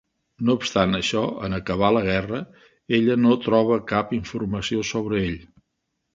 No obstant això, en acabar la guerra, ella no troba cap informació sobre ell.